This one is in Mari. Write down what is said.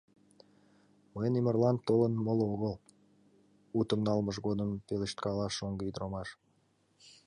— Мыйын ӱмырлан толын, моло огыл, — утым налмыж годым пелешткала шоҥго ӱдырамаш.